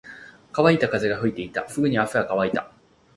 乾いた風が吹いていた。すぐに汗は乾いた。